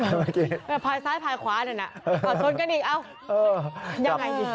เมื่อกี้ภายซ้ายภายขวานึงอ่ะเอาชนกันอีกเอ้ายังไงอืม